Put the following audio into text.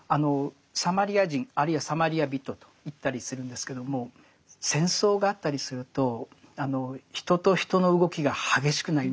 サマリア人あるいはサマリア人と言ったりするんですけども戦争があったりすると人と人の動きが激しくなりますね。